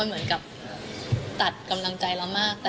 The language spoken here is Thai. เหมือนกับตัดกำลังใจเรามาก